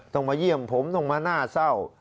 ต้องมาเยี่ยมผมต้องมาน่าเศร้า